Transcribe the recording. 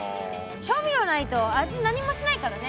調味料ないと味何もしないからね。